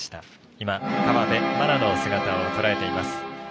今、河辺愛菜の姿をとらえています。